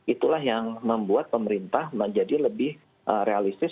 itulah yang membuat pemerintah menjadi lebih realistis